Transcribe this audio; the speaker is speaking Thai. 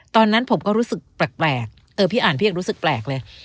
ตอนนั้นผมก็รู้สึกแปลกเออพี่อ่านพี่ยังรู้สึกแปลกเลย